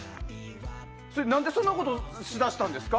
何で、そんなことし出したんですか？